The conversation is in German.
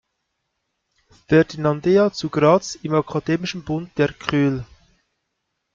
Ferdinandea zu Graz im akademischen Bund der KÖL.